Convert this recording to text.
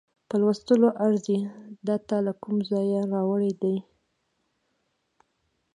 په لوستلو ارزي، دا تا له کومه ځایه راوړې دي؟